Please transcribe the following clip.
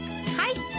はい。